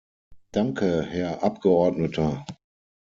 Danke, Herr Abgeordneter.